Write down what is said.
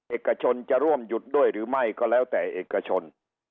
เอกชนจะร่วมหยุดด้วยหรือไม่ก็แล้วแต่เอกชน